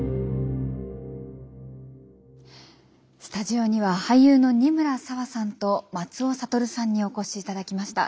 スタジオには俳優の仁村紗和さんと松尾諭さんにお越しいただきました。